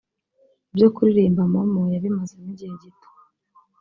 Ibyo kuririmba Momo yabimazemo igihe gito